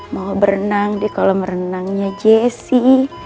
mau berenang di kolam renangnya jessi